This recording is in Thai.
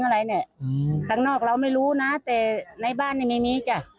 เนี้ยอืมข้างนอกเราไม่รู้นะแต่ในบ้านเนี้ยมีมีจ้ะ